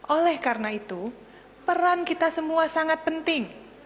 oleh karena itu peran kita semua sangat penting